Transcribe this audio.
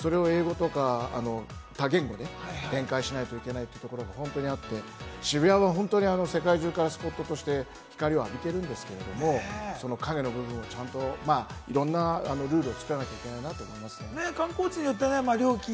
ゴミ箱がどこにあるかわからないから、それを英語とか多言語で展開しなきゃいけないということがあって、渋谷は本当に世界中からスポットとして光を浴びているんですけれども、その影の部分をちゃんといろんなルールを作らなきゃいけないなと思いますね。